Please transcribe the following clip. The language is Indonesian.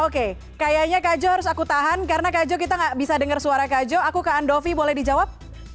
oke kayaknya kak jo harus aku tahan karena kak jo kita nggak bisa dengar suara kak jo aku ke andovi boleh dijawab